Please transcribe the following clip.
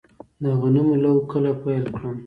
د غنمو لو کله پیل کړم؟